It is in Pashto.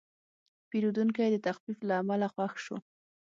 پیرودونکی د تخفیف له امله خوښ شو.